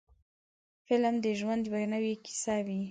فلم د ژوند یوه نوې کیسه وي.